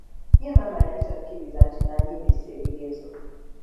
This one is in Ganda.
Ye Maama yali takiriza nti nali mpise ebigezo.